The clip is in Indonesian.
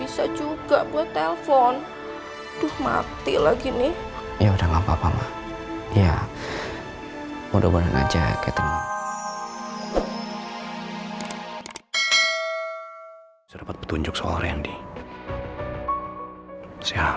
sampai jumpa di video selanjutnya